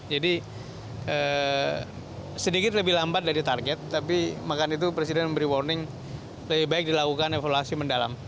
jadi sedikit lebih lambat dari target tapi makanya itu presiden memberi warning lebih baik dilakukan evaluasi mendalam